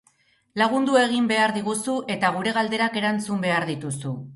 Lagundu egin behar diguzu eta gure galderak erantzun behar dituzu.